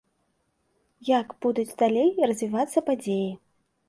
Як будуць далей развівацца падзеі?